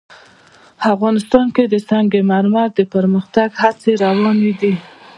افغانستان کې د سنگ مرمر د پرمختګ هڅې روانې دي.